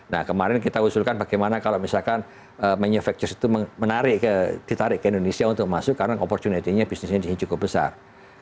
nah kemarin kita usulkan bagaimana kalau misalkan manufactures itu ditarik ke indonesia untuk masuk karena opportunity nya bisnisnya cukup besar